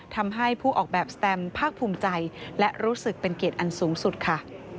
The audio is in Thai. ทำให้ผู้ออกแบบสแตมภาคภูมิใจและรู้สึกเป็นเกียรติอันสูงสุดค่ะ